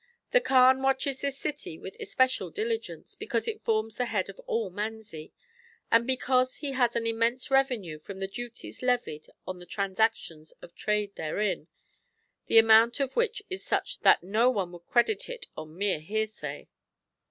The Kaan watches this city with especial diligence because it forms the head of all Manzi ; and because he has an immense revenue from the duties levied on the transactions of trade therein, the amount of which is such that no one would credit it on mere hearsay.